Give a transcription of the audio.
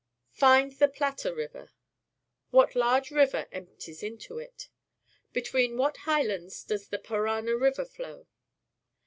Find the Plata River. What large river emp ties into it? Between what highlands docs the Parana River flow?